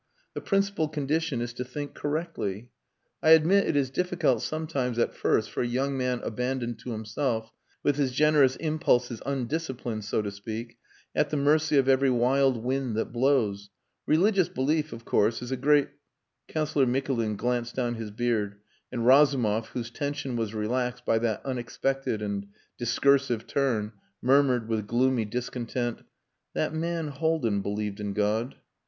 The principal condition is to think correctly. I admit it is difficult sometimes at first for a young man abandoned to himself with his generous impulses undisciplined, so to speak at the mercy of every wild wind that blows. Religious belief, of course, is a great...." Councillor Mikulin glanced down his beard, and Razumov, whose tension was relaxed by that unexpected and discursive turn, murmured with gloomy discontent "That man, Haldin, believed in God."